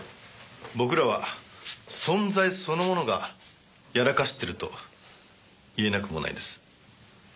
僕らは存在そのものがやらかしてると言えなくもないです。